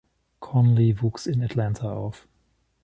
Conley wuchs in Atlanta auf.